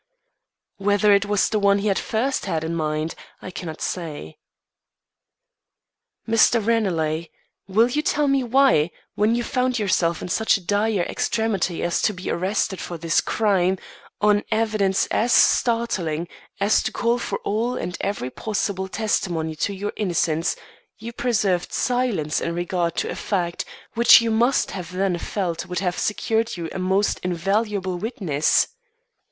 Whether it was the one he had first had in mind, I cannot say. "Mr. Ranelagh, will you tell me why, when you found yourself in such a dire extremity as to be arrested for this crime, on evidence as startling as to call for all and every possible testimony to your innocence, you preserved silence in regard to a fact which you must have then felt would have secured you a most invaluable witness?